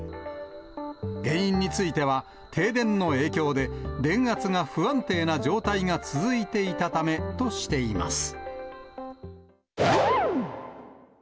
原因については、停電の影響で、電圧が不安定な状態が続いていたためとしています。